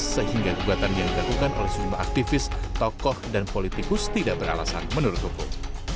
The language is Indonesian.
sehingga gugatan yang dilakukan oleh sejumlah aktivis tokoh dan politikus tidak beralasan menurut hukum